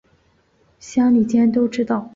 乡里间都知道